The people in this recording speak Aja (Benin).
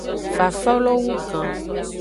Fafalo wugan.